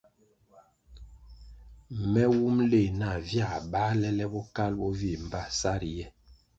Me wumʼ leh nah viā bāle le bokalʼ bo vii mbpa sa riye.